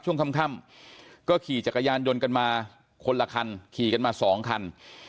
ช่วงค่ำก็ขี่จักรยานยนต์กันมาคนละคันขี่กันมาสองคัน